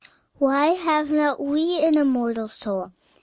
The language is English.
"Why have not we an immortal soul?"